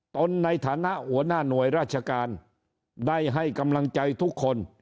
ตนในฐานะหัวหน้าหน่วยราชการได้ให้กำลังใจทุกคน